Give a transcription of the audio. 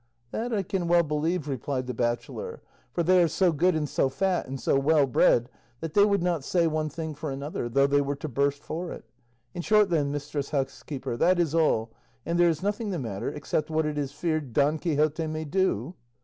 "That I can well believe," replied the bachelor, "for they are so good and so fat, and so well bred, that they would not say one thing for another, though they were to burst for it. In short then, mistress housekeeper, that is all, and there is nothing the matter, except what it is feared Don Quixote may do?"